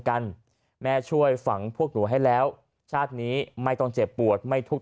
กันแม่ช่วยฝังพวกหนูให้แล้วชาตินี้ไม่ต้องเจ็บปวดไม่ทุกข์